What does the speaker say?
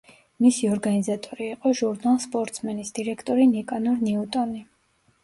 მისი ორგანიზატორი იყო ჟურნალ „სპორტსმენის“ დირექტორი ნიკანორ ნიუტონი.